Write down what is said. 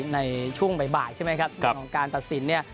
ในช่วงบ่ายใช่ไหมครับเรื่องของการตัดสินเนี่ย